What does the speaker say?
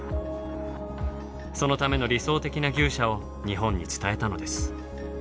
そのための理想的な牛舎を日本に伝えたのです。